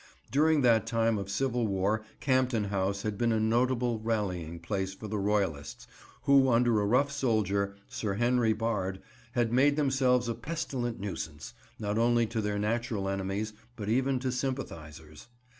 During that time of civil war Campden House had been a notable rallying place for the Royalists, who under a rough soldier, Sir Henry Bard, had made themselves a pestilent nuisance, not only to their natural enemies, but even to sympathisers.